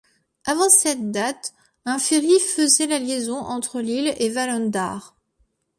Avant cette date, un ferry faisait la liaison entre l'île et Vallendar.